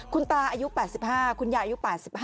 คุณตาอายุ๘๕คุณยายอายุ๘๕